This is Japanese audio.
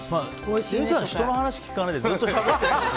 レミさん、人の話聞かないでずっとしゃべっている。